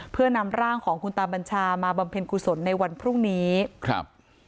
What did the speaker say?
เพื่อนำร่างของคุณตาบัญชามาบำเพ็ญกุศลในวันพรุ่งนี้ครับ